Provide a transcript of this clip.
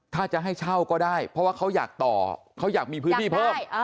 ถ้าจะให้เช่าก็ได้เพราะว่าเขาอยากต่อเขาอยากมีพื้นที่เพิ่ม